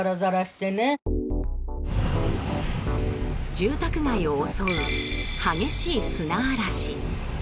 住宅街を襲う激しい砂嵐。